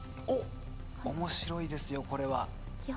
面白いですよ、これは。